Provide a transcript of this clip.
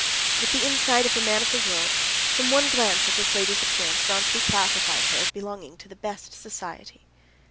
With the insight of a man of the world, from one glance at this lady's appearance Vronsky classified her as belonging to the best society.